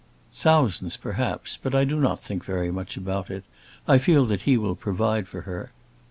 "Thousands perhaps, but I do not think very much about it. I feel that he will provide for her."